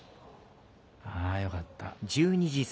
あぁよかった。